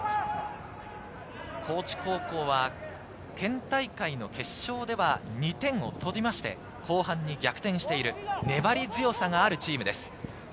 高知高校は県大会の決勝では２点を取りまして後半に逆転している、粘り強さがあるチームです。